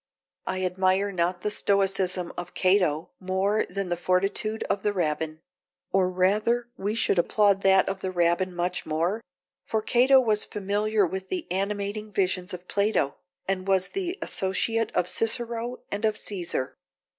I admire not the stoicism of Cato, more than the fortitude of the Rabbin; or rather we should applaud that of the Rabbin much more; for Cato was familiar with the animating visions of Plato, and was the associate of Cicero and of Caesar.